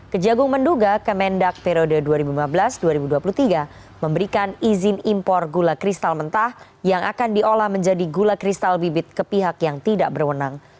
kejagung menduga kemendak periode dua ribu lima belas dua ribu dua puluh tiga memberikan izin impor gula kristal mentah yang akan diolah menjadi gula kristal bibit ke pihak yang tidak berwenang